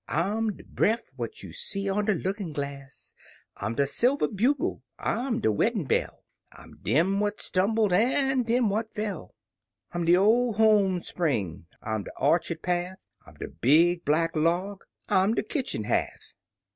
Vm de brefT what you see on de lookin' glass; I'm de silver bugle, I'm de weddin' bell ; I'm dem what stumbled an' dem what fell; I'm de or home spring, I'm de orchard path, I'm de big back log, I'm de kitchen h'alh.